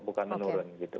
bukan menurun gitu